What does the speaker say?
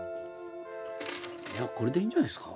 いやこれでいいんじゃないですか。